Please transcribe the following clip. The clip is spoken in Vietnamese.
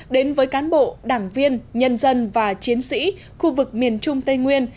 đến với cán bộ đảng viên nhân dân và chiến sĩ khu vực miền trung tây nguyên